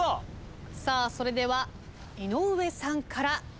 それでは井上さんから。